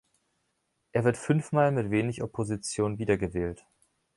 Er wird fünf Mal mit wenig Opposition wiedergewählt.